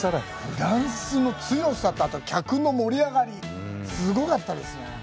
フランスの強さと、あと客の盛り上がり、すごかったですね。